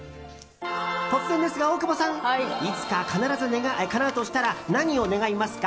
突然ですが、大久保さん！いつか必ずかなうとしたら何を願いますか？